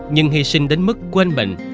nhưng hy sinh đến mức quên mình